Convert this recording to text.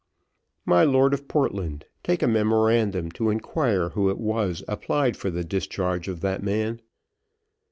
"My Lord of Portland, take a memorandum to inquire who it was applied for the discharge of that man.